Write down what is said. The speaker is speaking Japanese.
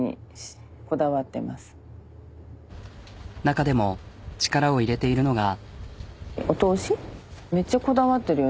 中でも力を入れているのが。